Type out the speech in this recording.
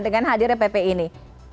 dengan hadirnya pp ini